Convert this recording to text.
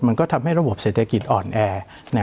มันก็ทำให้ระบบเศรษฐกิจอ่อนแอ